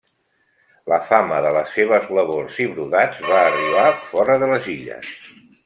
La fama de les seves labors i brodats va arribar fora de les illes.